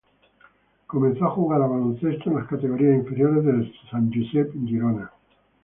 Comenzó a jugar a baloncesto en las categorías inferiores del Sant Josep Girona.